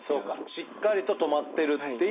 しっかりと留まってるっていうこと。